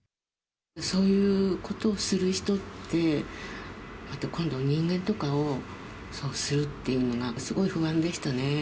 そういうことをする人って、今度人間とかをそうするっていうの、なんかすごい不安でしたね。